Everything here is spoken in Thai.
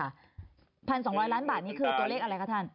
๑๒๐๐ล้านบาทนี้คือตัวเลขอะไรคะท่าน